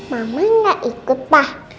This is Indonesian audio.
mama enggak ikut pak